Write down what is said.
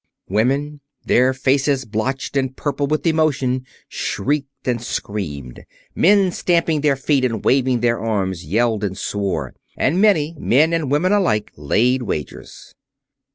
Women, their faces blotched and purple with emotion, shrieked and screamed. Men, stamping their feet and waving their arms, yelled and swore. And many, men and women alike, laid wagers.